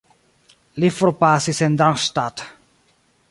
Li forpasis en Darmstadt.